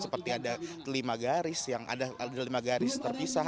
seperti ada lima garis yang ada lima garis terpisah